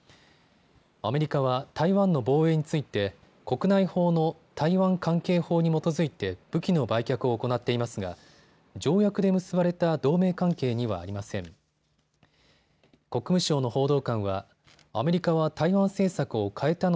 アメリカは台湾の防衛について国内法の台湾関係法に基づいて武器の売却を行っていますが条約で結ばれた同盟関係にはありません。